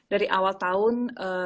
dari awal tahun